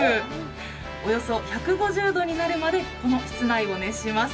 およそ１５０度になるまで室内を熱します。